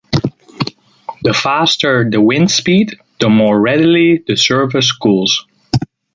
The faster the wind speed, the more readily the surface cools.